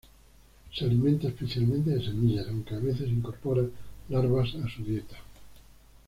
Se alimenta especialmente de semillas aunque a veces incorpora larvas a su dieta.